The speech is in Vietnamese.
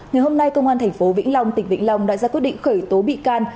ngày hôm nay công an tp vĩnh long tỉnh vĩnh long đã ra quyết định khởi tố bị can